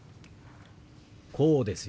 こうですよ。